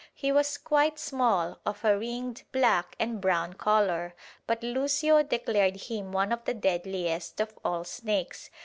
He was quite small, of a ringed black and brown colour, but Lucio declared him one of the deadliest of all snakes.